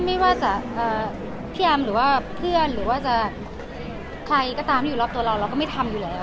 ไม่ว่าจะอาจจะมีเพื่อนใครก็ตามอยู่รอบตัวเราแล้วก็ไม่ทำอยู่แล้ว